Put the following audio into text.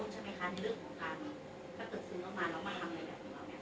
คุณพูดไว้แล้วตั้งแต่ต้นใช่ไหมคะ